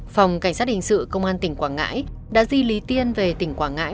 phòng cảnh sát hình sự công an tỉnh quảng ngãi đã di lý tiên về tỉnh quảng ngãi